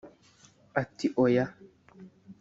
Ati” Oya